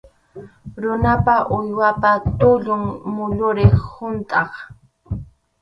Runapa, uywapa tullun muyuriq huntʼaq.